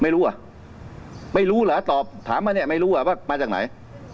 ไม่รู้อ่ะไม่รู้เหรอตอบถามมาเนี่ยไม่รู้อ่ะว่ามาจากไหน